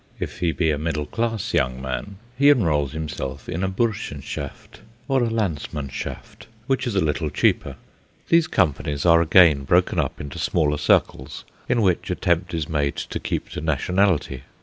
If he be a middle class young man, he enrols himself in a Burschenschaft, or a Landsmannschaft, which is a little cheaper. These companies are again broken up into smaller circles, in which attempt is made to keep to nationality.